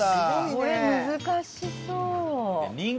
これ難しそう！